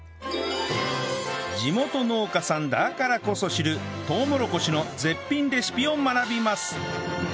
地元農家さんだからこそ知るとうもろこしの絶品レシピを学びます